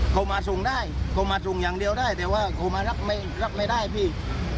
เขามาส่งได้เขามาส่งอย่างเดียวได้แต่ว่าเขามารับไม่ได้พี่